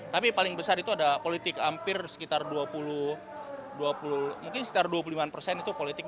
tapi paling besar itu ada politik hampir sekitar dua puluh mungkin sekitar dua puluh lima persen itu politik